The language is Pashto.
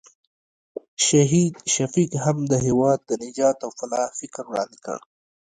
شهید شفیق هم د هېواد د نجات او فلاح فکر وړاندې کړ.